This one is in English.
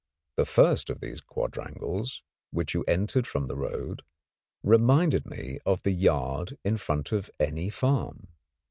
The first of these quadrangles, which you entered from the road, reminded me of the yard in front of any farm.